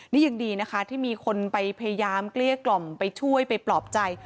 นี่ยังดีนะคะที่มีคนไปพยายามเกลี้ยกล่อมไปช่วยไปปลอบใจ